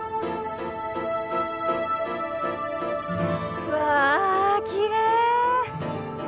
うわーきれい！